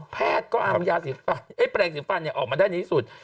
แพทย์ก็เอายาแปลงสีฟันออกมาได้ในที่สุด